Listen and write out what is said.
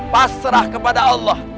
pasrah kepada allah